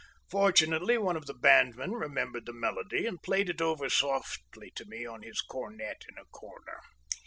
Fortunately, one of the bandmen remembered the melody and played it over softly to me on his cornet in a corner.